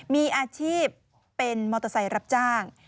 มีอาชีพเป็นมอเตอร์ไซค์รับจ้าง